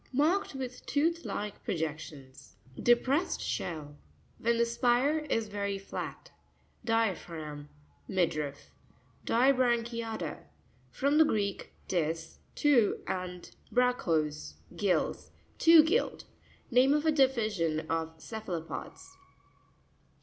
Marked with tooth like projections. DEPRESSED SHELL.—Whien the spire is very flat. Di'aruracm. —Midriff. Di'srancuta'tTa. — From the Greek, dis, two, and bragchos, gills—two gilled. Name of a division of ce phalopods.